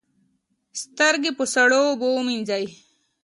سترګې په سړو اوبو وینځئ